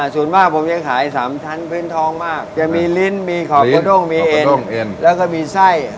ส่วนมากผมจะขาย๓ชั้นพื้นท้องมากจะมีลิ้นมีขอบกระด้งมีเอ็นด้งเอ็นแล้วก็มีไส้